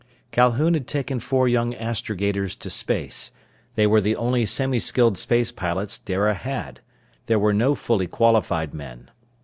Calhoun had taken four young astrogators to space. They were the only semiskilled space pilots Dara had. There were no fully qualified men.